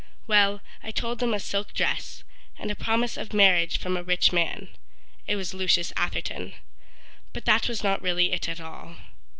Well, I told them a silk dress, And a promise of marriage from a rich man— (It was Lucius Atherton). But that was not really it at all.